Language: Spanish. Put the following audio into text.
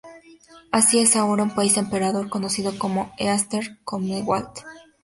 Asia es ahora un país emperador conocido como Eastern Commonwealth.